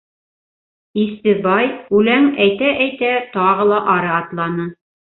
Истебай, үләң әйтә-әйтә, тағы ла ары атланы: